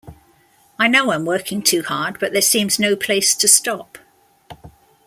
I know I'm working too hard but there seems no place to stop.